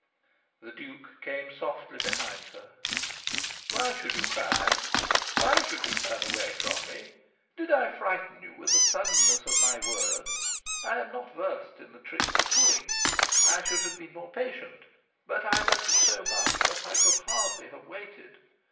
The Duke came softly behind her. "Why should you cry? Why should you turn away from me? Did I frighten you with the suddenness of my words? I am not versed in the tricks of wooing. I should have been more patient. But I love you so much that I could hardly have waited.